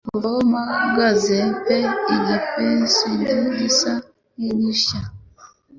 Kuva aho mpagaze pe igisenge gisa nkigishya -